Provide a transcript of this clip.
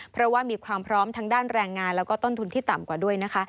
เพราะว่ามีความพร้อมทางด้านแรงงานแล้วก็ต้นทุนที่ต่ำกว่าด้วยนะคะ